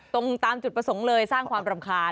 ตรงตามจุดประสงค์เลยสร้างความรำคาญ